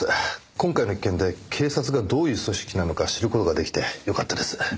今回の一件で警察がどういう組織なのか知る事が出来てよかったです。